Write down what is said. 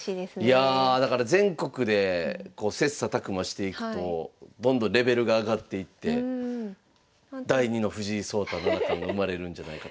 いやあだから全国で切磋琢磨していくとどんどんレベルが上がっていって第２の藤井聡太七冠が生まれるんじゃないかと。